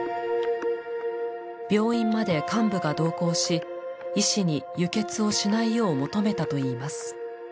病院まで幹部が同行し医師に輸血をしないよう求めたといいます。